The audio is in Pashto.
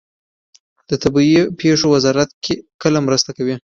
د طبیعي پیښو وزارت کله مرسته کوي؟